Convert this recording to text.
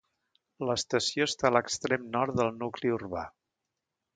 L'estació està a l'extrem nord del nucli urbà.